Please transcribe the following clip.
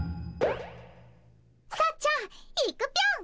さっちゃんいくぴょん。